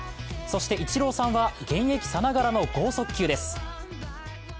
そしてイチローさんは現役さながらの剛速球です。